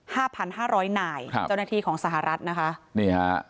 ห้าพันห้าร้อยนายครับเจ้าหน้าที่ของสหรัฐนะคะนี่ฮะ